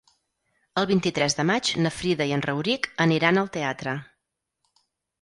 El vint-i-tres de maig na Frida i en Rauric aniran al teatre.